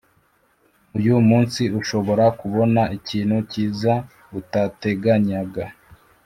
Uyu munsi ushobora kubona ikintu kiza utateganyaga